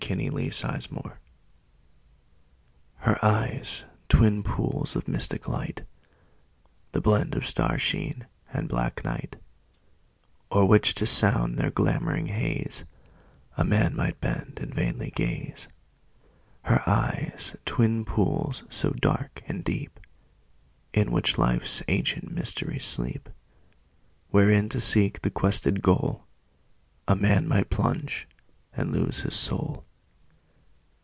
HER EYES TWIN POOLS Her eyes, twin pools of mystic light, The blend of star sheen and black night; O'er which, to sound their glamouring haze, A man might bend, and vainly gaze. Her eyes, twin pools so dark and deep, In which life's ancient mysteries sleep; Wherein, to seek the quested goal, A man might plunge, and lose his soul.